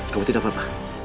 kamu tidak apa apa